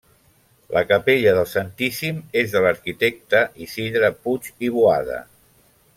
La capella del Santíssim és de l'arquitecte Isidre Puig i Boada.